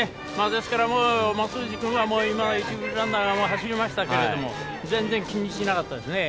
ですから、松藤君は今、一塁ランナーが走りましたけれども全然気にしなかったですね。